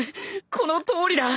このとおりだ！